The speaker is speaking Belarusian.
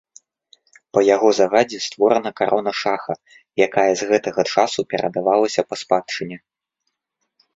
Па яго загадзе створана карона шаха, якая з гэтага часу перадавалася па спадчыне.